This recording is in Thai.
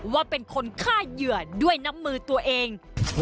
ว่าเป็นคนฆ่าเหยื่อด้วยน้ำมือตัวเอง